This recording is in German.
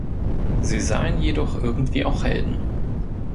Sie seien jedoch irgendwie auch Helden.